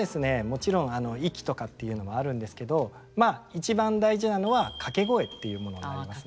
もちろん息とかっていうのもあるんですけどまあ一番大事なのは「掛け声」っていうものになりますね。